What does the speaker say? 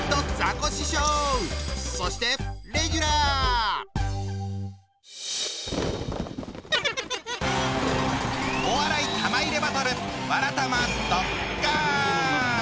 そしてお笑い玉入れバトル